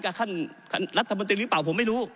กับค่านัรธบนตรีหรือเปล่าผมไม่รู้